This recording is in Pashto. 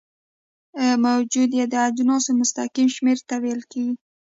موجودیه د اجناسو مستقیم شمیر ته ویل کیږي.